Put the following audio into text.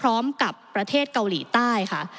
พร้อมกับประเทศเกาหลีใต้ค่ะ